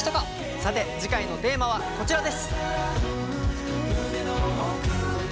さて次回のテーマはこちらです。